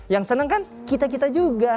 yang senang kan kita kita juga